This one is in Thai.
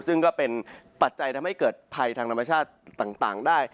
ซึ่งก็เป็นปัจจัยทำให้เกิดภัยทางธรรมชาติต่างได้